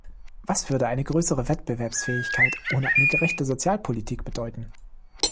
Was würde eine größere Wettbewerbsfähigkeit ohne eine gerechte Sozialpolitik bedeuten?